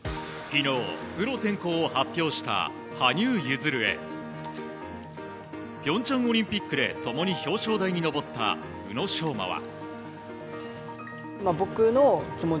昨日、プロ転向を発表した羽生結弦へ平昌オリンピックで共に表彰台に上った宇野昌磨は。